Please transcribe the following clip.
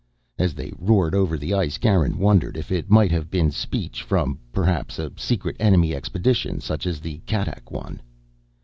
As they roared over the ice Garin wondered if it might have been speech from, perhaps, a secret enemy expedition, such as the Kattack one.